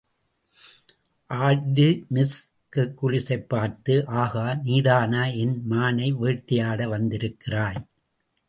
Artemis ஹெர்க்குலிஸைப் பார்த்து, ஆகா, நீதானா என் மானை வேட்டையாட வந்திருக்கிறாய்?